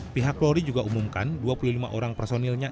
pihak lori juga umumkan dua puluh lima orang personilnya